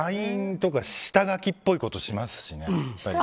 ＬＩＮＥとか下書きっぽいことしますしね。